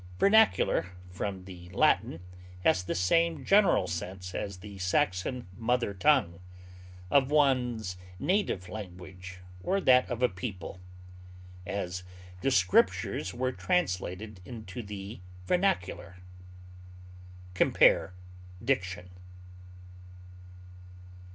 Vernacular, from the Latin, has the same general sense as the Saxon mother tongue, of one's native language, or that of a people; as, the Scriptures were translated into the vernacular. Compare DICTION.